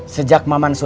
sejak maman soehara